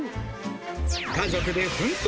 家族で奮闘！